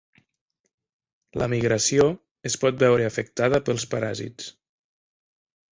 La migració es pot veure afectada pels paràsits.